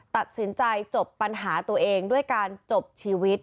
ตัดสินใจจบปัญหาตัวเองด้วยการจบชีวิต